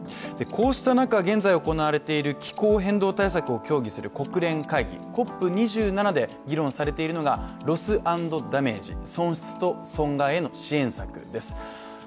こうした中、現在行われている気候変動対策を協議する国連会議ＣＯＰ２７で議論されているのがロス＆ダメージ＝損失と損害への支援策です。